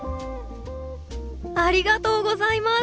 ありがとうございます。